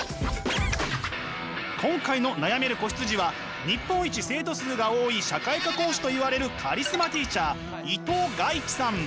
今回の悩める子羊は日本一生徒数が多い社会科講師といわれるカリスマティーチャー伊藤賀一さん。